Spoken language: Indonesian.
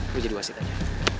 lu jadi wasit aja